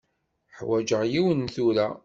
Ḥwaǧeɣ yiwen tura.